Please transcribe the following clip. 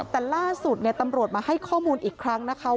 แต่ล่าสุดตำรวจมาให้ข้อมูลอีกครั้งนะคะ